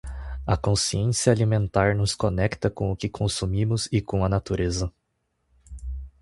A consciência alimentar nos conecta com o que consumimos e com a natureza.